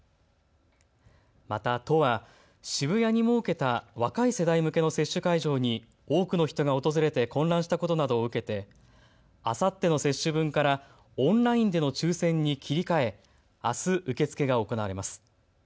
また都は渋谷に設けた若い世代向けの接種会場に多くの人が訪れて混乱したことなどを受けてあさっての接種分からオンラインでの抽せんに切り替え、あす受け付けが行われます。